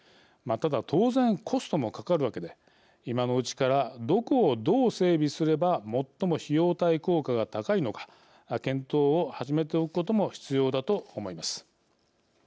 ただ、当然コストもかかるわけで今のうちからどこをどう整備すれば最も費用対効果が高いのか検討を始めておくことも必要だと思います。